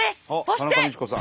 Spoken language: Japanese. そして。